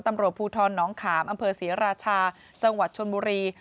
ตำรวจภูทรน้องขามอำเภอศรีราชาจังหวัดชนบุรี